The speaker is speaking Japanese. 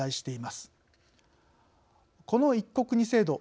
この「一国二制度」